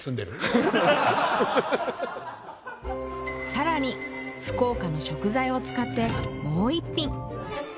更に福岡の食材を使ってもう一品。